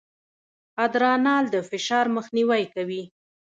ادرانال د فشار مخنیوی کوي.